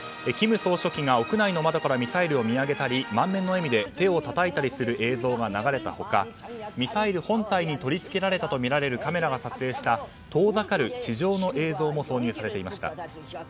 金総書記が屋内の窓からミサイルを見上げたり満面の笑みで手をたたいたりする映像が流れた他、ミサイル本体に取り付けられたとみられるカメラが撮影した遠ざかる地上の映像も挿入されていました。